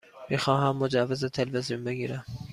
می خواهم مجوز تلویزیون بگیرم.